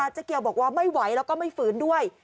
เจ๊เกียวบอกว่าไม่ไหวแล้วก็ไม่ฝืนด้วย